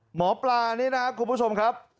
หมอปลานี่นะครับคุณผู้ชมครับ